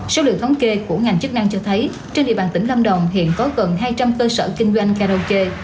số liệu thống kê của ngành chức năng cho thấy trên địa bàn tỉnh lâm đồng hiện có gần hai trăm linh cơ sở kinh doanh karaoke